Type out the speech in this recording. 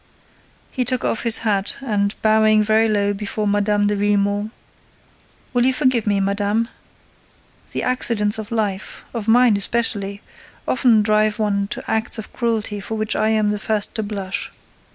He took off his hat and, bowing very low before Mme. de Villemon: "Will you forgive me, madame? The accidents of life—of mine especially—often drive one to acts of cruelty for which I am the first to blush.